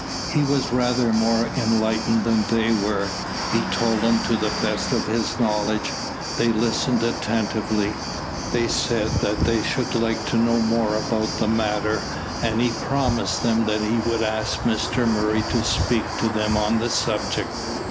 He was rather more enlightened than they were. He told them to the best of his knowledge. They listened attentively. They said that they should like to know more about the matter, and he promised them that he would ask Mr Murray to speak to them on the subject.